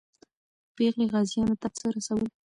پېغلې غازیانو ته څه رسول؟